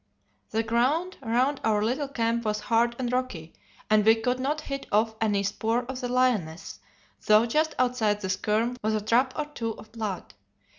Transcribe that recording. The ground round our little camp was hard and rocky, and we could not hit off any spoor of the lioness, though just outside the skerm was a drop or two of blood.